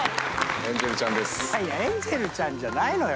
すごい！エンジェルちゃんじゃないのよ。